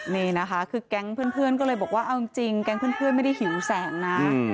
นี่นะคะคือแก๊งเพื่อนก็เลยบอกว่าเอาจริงแก๊งเพื่อนไม่ได้หิวแสงนะ